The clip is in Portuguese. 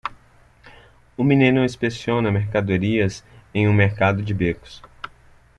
Um menino inspeciona mercadorias em um mercado de becos.